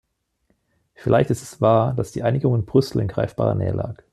Vielleicht ist es wahr, dass die Einigung in Brüssel in greifbarer Nähe lag.